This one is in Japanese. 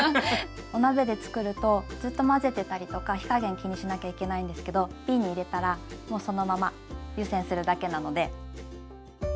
お鍋で作るとずっと混ぜてたりとか火加減気にしなきゃいけないんですけどびんに入れたらもうそのまま湯煎するだけなので。